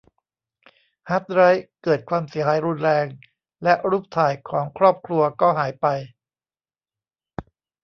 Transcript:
ฮาร์ดไดรฟ์เกิดความเสียหายรุนแรงและรูปถ่ายของครอบครัวก็หายไป